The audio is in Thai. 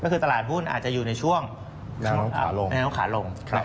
ก็คือตลาดหุ้นอาจจะอยู่ในช่วงขาลง